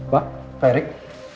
pak pak erik